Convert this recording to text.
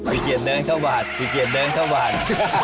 พี่เกียจเดินเข้าบ้าน